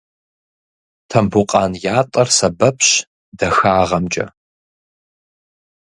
Тамбукъан ятӏэр сэбэпщ дахагъэмкӏэ.